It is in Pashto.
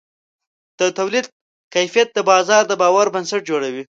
د تولید کیفیت د بازار د باور بنسټ جوړوي.